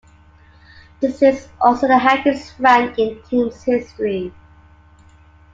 This is also the highest rank in team's history.